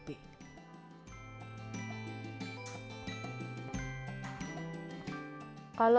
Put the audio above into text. bagaimana cara menjual makanan